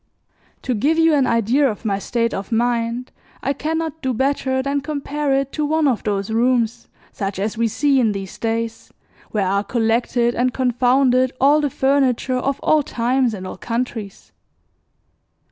To give you an idea of my state of mind I can not do better than compare it to one of those rooms such as we see in these days where are collected and confounded all the furniture of all times and all countries.